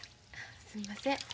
すんません。